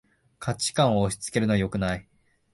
価値観を押しつけるのはよくない